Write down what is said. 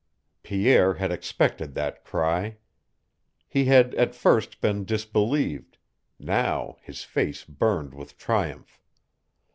Pierre had expected that cry. He had at first been disbelieved; now his face burned with triumph.